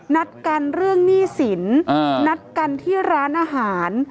นัดกันเรื่องหนี้สินนัดกันที่ร้านอาหาร